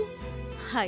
はい。